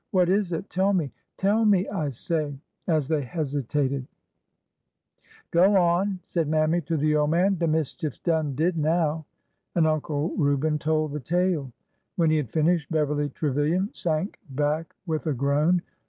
What is it? Tell me! Tell me, I say! " as they hesi tated. 300 ORDER NO 11 '' Go on/' said Mammy to the old man ;'' de mischief 's done did now !" And Uncle Reuben told the tale. When he had finished, Beverly Trevilian sank back with a groan.